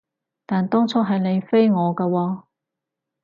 但當初係你飛我㗎喎